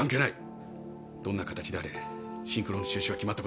どんな形であれシンクロの中止は決まったことなんです。